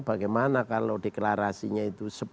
bagaimana kalau deklarasinya itu